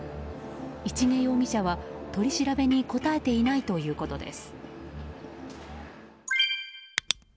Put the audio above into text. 市毛容疑者は取り調べに答えていないということです。